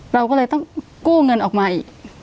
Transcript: เราก็เลยต้องกู้เงินออกมาอีก